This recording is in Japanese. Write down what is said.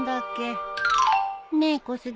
ねえ小杉。